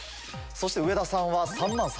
そして上田さんは３万３０００。